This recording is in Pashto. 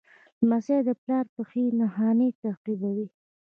لمسی د پلار پښې نښان تعقیبوي.